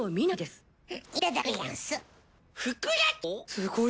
すごい！